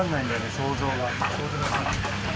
想像が。